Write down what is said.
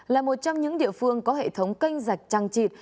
là một trong những địa phương có hệ thống canh giạch trang trịt